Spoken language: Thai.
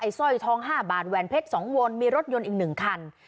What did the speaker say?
สร้อยทอง๕บาทแหวนเพชร๒วนมีรถยนต์อีก๑คัน